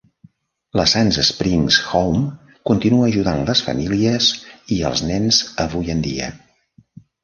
La Sand Springs Home continua ajudant les famílies i els nens avui en dia.